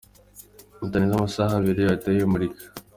kitarenze amasaha Abiri ahita ayimurika.